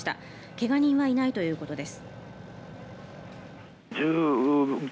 けが人はいないということです。